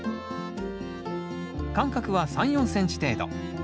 間隔は３４ｃｍ程度。